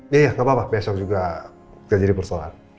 iya iya gak apa apa besok juga gak jadi persoalan